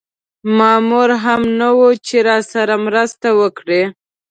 مامور هم نه و چې راسره مرسته وکړي.